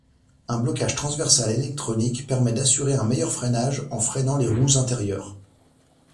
Un blocage transversal électronique permet d'assurer un meilleur freinage en freinant les roues intérieures.